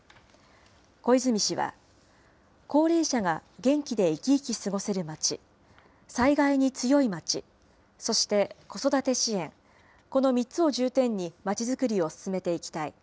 小泉氏は、高齢者が元気でいきいき過ごせるまち、災害に強いまち、そして子育て支援、この３つを重点にまちづくりを進めていきたい。